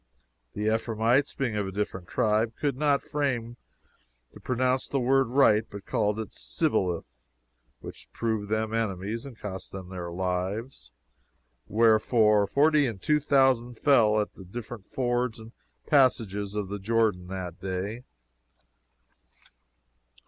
The Ephraimites, being of a different tribe, could not frame to pronounce the word right, but called it Sibboleth, which proved them enemies and cost them their lives; wherefore, forty and two thousand fell at the different fords and passages of the Jordan that day."